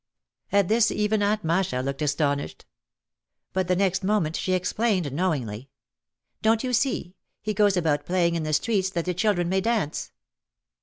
At this even Aunt Masha looked astonished. But the next moment she explained knowingly, "Don't you see, he goes about playing in the streets that the children may dance."